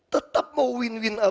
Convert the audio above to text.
tetap mau win win atau apapun